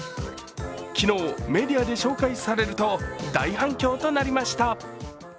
昨日、メディアで紹介されると大反響となりました。